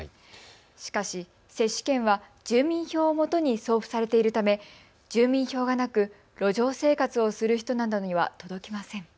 しかし、接種券は住民票をもとに送付されているため住民票がなく路上生活をする人などには届きません。